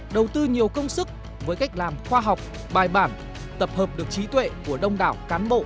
đầu tư nhiều công sức với cách làm khoa học bài bản tập hợp được trí tuệ của đông đảo cán bộ